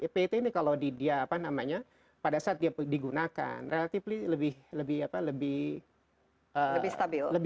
pet ini kalau dia pada saat digunakan relatively lebih stabil